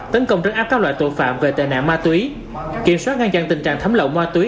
tấn công trấn áp các loại tội phạm về tệ nạn ma túy kiểm soát ngăn chặn tình trạng thấm lậu ma túy